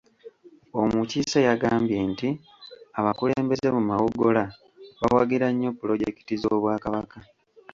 Omukiise yagambye nti abakulembeze mu Mawogola bawagira nnyo pulojekiti z’Obwakabaka.